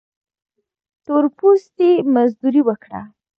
تور پوستي مزدوري وکړي.